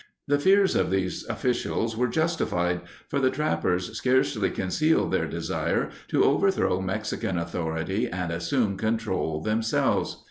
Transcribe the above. The fears of these officials were justified, for the trappers scarcely concealed their desire to overthrow Mexican authority and assume control themselves.